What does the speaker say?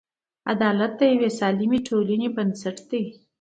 عدالت د یوې سالمې ټولنې بنسټ دی.